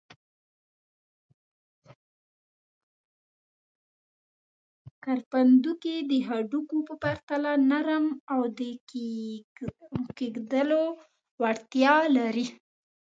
کرپندوکي د هډوکو په پرتله نرم او د کږېدلو وړتیا لري.